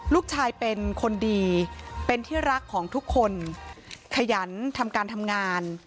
ลูกชายเป็นคนดีเป็นที่รักของทุกคนขยันทำการทำงาน